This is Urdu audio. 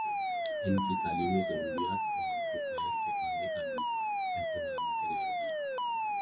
ان کی تعلیمی ضروریات اور دوپہر کے کھانے کا بھی اہتمام کریں گی۔